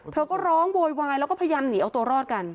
เธอก็ร้องโวยวายแล้วก็พยายามหนีเอาตัวรอดกัน